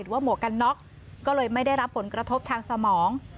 หมวกกันน็อกก็เลยไม่ได้รับผลกระทบทางสมอง